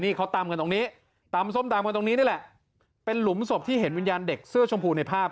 สมมตำตามตรงนี้เป็นหลุมศพที่เห็นวิญญาณเด็กเสื้อชมพูในภาพ